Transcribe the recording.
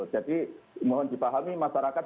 jadi mohon dipahami masyarakat